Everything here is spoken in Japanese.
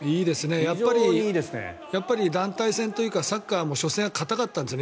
やっぱり団体戦というかサッカーも初戦は硬かったんですね。